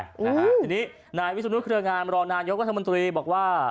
ทีนี้นายวิสุนุเครืองามรองนายกรัฐมนตรีบอกว่า